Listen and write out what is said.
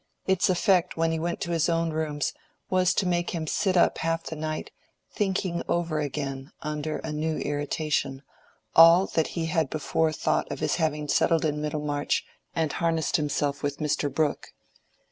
Its effect when he went to his own rooms was to make him sit up half the night, thinking over again, under a new irritation, all that he had before thought of his having settled in Middlemarch and harnessed himself with Mr. Brooke.